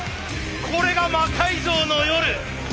これが「魔改造の夜」。